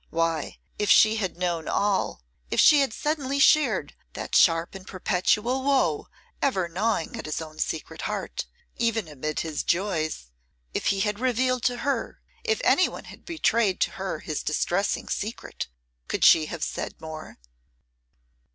Why, if she had known all, if she had suddenly shared that sharp and perpetual woe ever gnawing at his own secret heart, even amid his joys; if he had revealed to her, if anyone had betrayed to her his distressing secret, could she have said more?